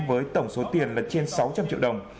với tổng số tiền là trên sáu trăm linh triệu đồng